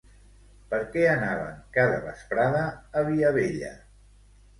Per què anaven, cada vesprada, a Viavella?